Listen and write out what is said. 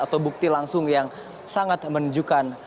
atau bukti langsung yang sangat menunjukkan